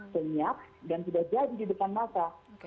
penyak dan sudah jadi di depan masa